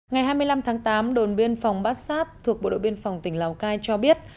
ngày hai mươi năm tháng tám đồn biên phòng bát sát thuộc bộ đội biên phòng tỉnh lào cai cho biết